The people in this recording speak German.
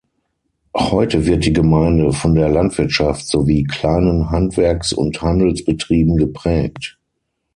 Heute wird die Gemeinde von der Landwirtschaft sowie kleinen Handwerks- und Handelsbetrieben geprägt.